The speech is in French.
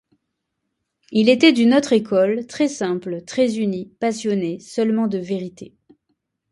Il était d'une autre école, très simple, très uni, passionné seulement de vérité.